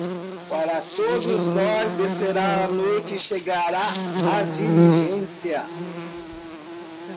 Para todos nós descerá a noite e chegará a diligência.